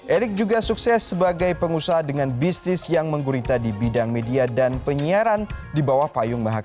erick juga sukses sebagai pengusaha dengan bisnis yang menggurita di bidang media dan penyiaran di bawah payung mahar